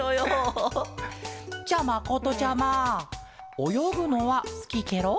じゃまことちゃまおよぐのはすきケロ？